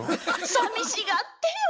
さみしがってよ！